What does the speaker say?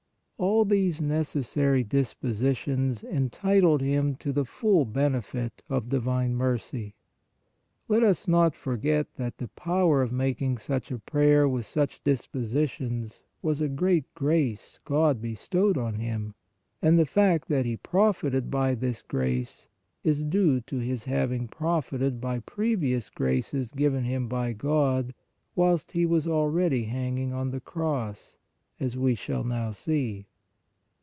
All these necessary dispositions entitled him to the full benefit of divine mercy. Let us not for get that the power of making such a prayer with such dispositions was a great grace God bestowed on him, and the fact that he profited by this grace is due to his having profited by previous graces given him by God whilst he was already hanging on the cross, as we shall now see.